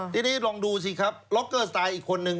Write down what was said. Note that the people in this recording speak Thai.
ทีนี้ลองดูสิครับล็อกเกอร์สไตล์อีกคนนึง